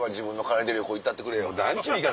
何ちゅう言い方！